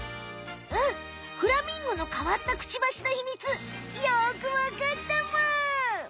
うんフラミンゴのかわったクチバシのヒミツよくわかったむん！